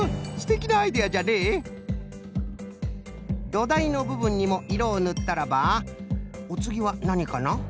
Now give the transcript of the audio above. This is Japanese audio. どだいのぶぶんにもいろをぬったらばおつぎはなにかな？